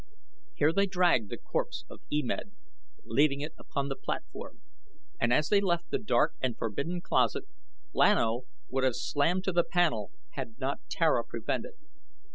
Here they dragged the corpse of E Med, leaving it upon the platform, and as they left the dark and forbidden closet Lan O would have slammed to the panel had not Tara prevented.